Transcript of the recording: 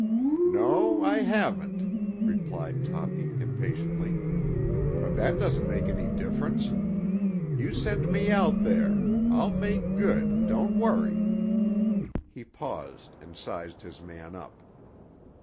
"No, I haven't," replied Toppy impatiently. "But that doesn't make any difference. You send me out there; I'll make good, don't worry." He paused and sized his man up.